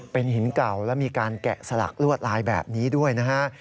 เป็นหินเก่าและมีการแกะสลักลวดลายแบบนี้ด้วยนะฮะ